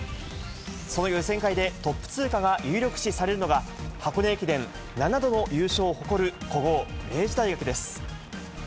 その予選会でトップ通過が有力視されるのが、箱根駅伝７度の優勝を誇る古豪、明治大学です。